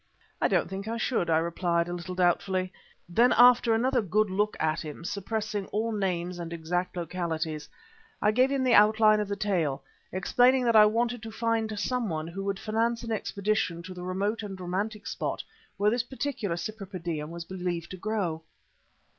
"I don't think I should," I replied, a little doubtfully. Then, after another good look at him, suppressing all names and exact localities, I gave him the outline of the tale, explaining that I wanted to find someone who would finance an expedition to the remote and romantic spot where this particular Cypripedium was believed to grow.